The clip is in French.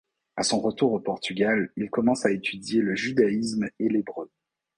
À son retour au Portugal, il commence à étudier le judaïsme et l'hébreu.